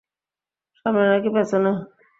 সামনে নাকি পেছনে?